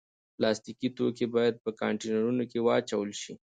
پلاستيکي توکي باید په کانټینرونو کې واچول شي.